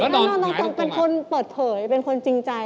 ต้องนอนตรงเป็นคนเปิดเผยเป็นคนจริงใจ